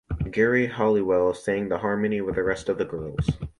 Geri Halliwell sang the harmony with the rest of the girls.